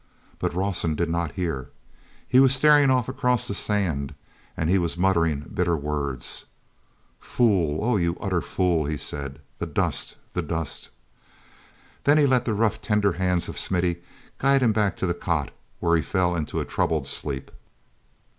But Rawson did not hear. He was staring off across the sand, and he was muttering bitter words. "Fool! Oh, you utter fool!" he said. "The dust—the dust." Then he let the roughly tender hands of Smithy guide him back to the cot where he fell into a troubled sleep.